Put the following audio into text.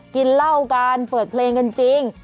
กินเหล้ากันเปิดเพลงกันจริง